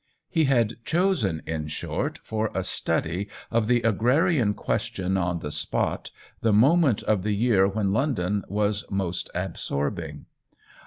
He had chosen, in short, for a study of the agrarian ques tion on the spot the moment of the year when London was most absorbing.